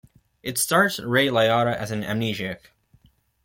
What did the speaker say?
It stars Ray Liotta as an amnesiac.